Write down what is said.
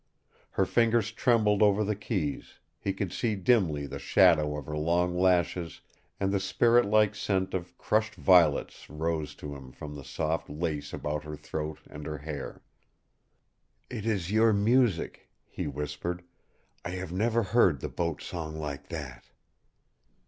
Her fingers trembled over the keys, he could see dimly the shadow of her long lashes, and the spirit like scent of crushed violets rose to him from the soft lace about her throat and her hair. "It is your music," he whispered. "I have never heard the Boat Song like that!"